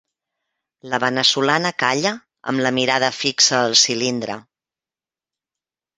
La veneçolana calla, amb la mirada fixa al cilindre.